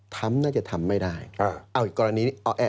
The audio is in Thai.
ทำน่าจะทำไม่ได้